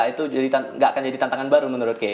itu nggak akan jadi tantangan baru menurut kiai